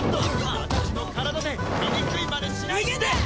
私の体で醜いまねしないで！